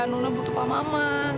nona butuh pak mama